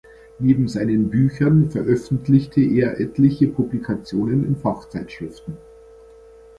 Neben seinen Büchern veröffentlichte er etliche Publikationen in Fachzeitschriften.